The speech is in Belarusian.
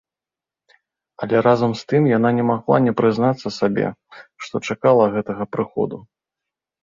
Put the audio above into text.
Але разам з тым яна не магла не прызнацца сабе, што чакала гэтага прыходу.